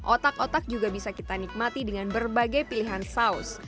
otak otak juga bisa kita nikmati dengan berbagai pilihan saus